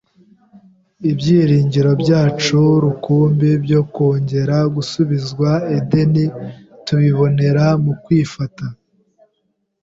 ibyiringiro byacu rukumbi byo kongera gusubizwa Edeni tubibonera mu kwifata